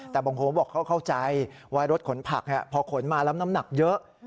แต่บางคนบอกเขาเข้าใจว่ารถขนผักพอขนมาแล้วน้ำหนักเยอะ